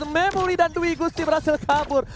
memori dan duwigu berhasil kabur